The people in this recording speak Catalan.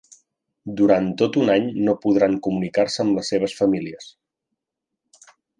Durant tot un any no podran comunicar-se amb les seves famílies